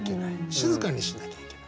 静かにしなきゃいけない。